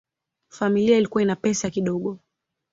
Familia ilikuwa ina pesa kidogo.